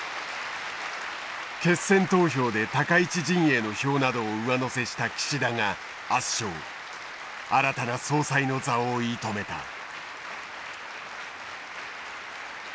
決選投票で高市陣営の票などを上乗せした岸田が圧勝新たな総裁の座を射止めた。